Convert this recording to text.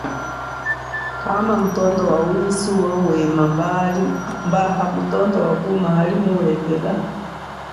Kama mutondo wa wisu wa wema, mba mutondo wakuma hali mu wuhetela?